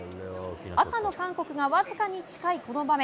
赤の韓国がわずかに近いこの場面。